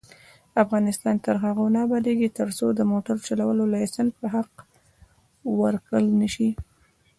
افغانستان تر هغو نه ابادیږي، ترڅو د موټر چلولو لایسنس په حق ورکړل نشي.